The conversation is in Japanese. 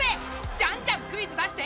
じゃんじゃんクイズ出して！